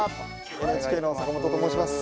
ＮＨＫの坂本と申します。